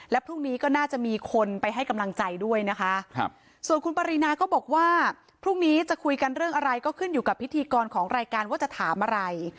และพรุ่งนี้ก็น่าจะมีคนไปให้กำลังใจด้วยนะคะส่วนคุณปรินาก็บอกว่าพรุ่งนี้จะคุยกันเรื่องอะไรก็ขึ้นอยู่กับพิธีกรของรายการว่าจะถามอะไร